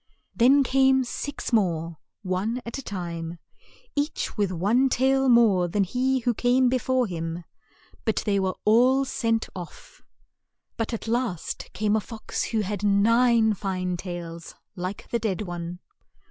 Then came six more, one at a time, each with one tail more than he who came be fore him, but they were all sent off. But at last came a fox who had nine fine tails, like the dead one.